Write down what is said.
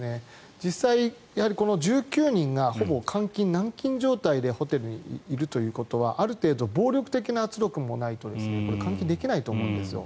実際、この１９人が監禁、軟禁状態でホテルにいるということはある程度、暴力的な圧力もないと監禁できないと思うんですよ。